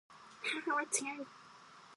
母は強い